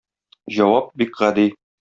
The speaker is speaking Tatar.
Җавап бик гади.